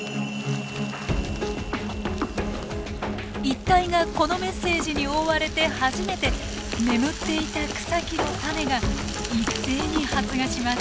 一帯がこのメッセージに覆われて初めて眠っていた草木の種が一斉に発芽します。